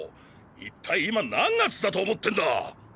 いったい今何月だと思ってんだ！